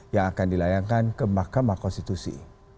yang akan dilayangkan ke mahkamah konstitusi